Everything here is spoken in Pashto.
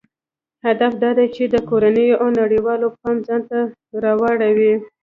هدف دا دی چې د کورنیو او نړیوالو پام ځانته راواړوي.